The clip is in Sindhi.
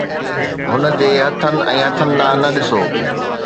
هن جي هٿن ۽ هٿن ڏانهن نه ڏسو